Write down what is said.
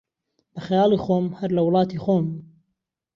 بە خەیاڵی خۆم، هەر لە وڵاتی خۆمم